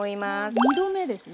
２度目ですね。